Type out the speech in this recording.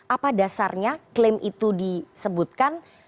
apa dasarnya klaim itu disebutkan